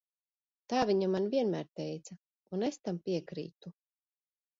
Tā viņa man vienmēr teica. Un es tam piekrītu.